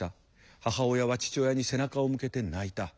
母親は父親に背中を向けて泣いた。